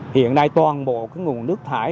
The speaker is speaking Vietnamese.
hiện nay toàn bộ cái nguồn nước thải